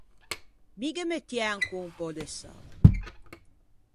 Mi ghe mettiæ ancon un pö de sâ.